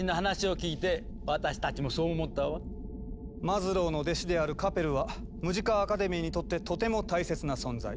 マズローの弟子であるカペルはムジカ・アカデミーにとってとても大切な存在。